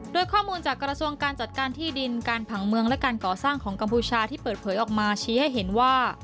โดยข้อมูลจากกระทรวงการจัดการที่ดินการผังเมืองและการก่อสร้างของกัมพูชาที่เปิดเผยออกมาชี้ให้เห็นว่า